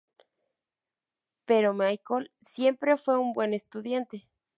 Pero, Michael siempre fue un buen estudiante.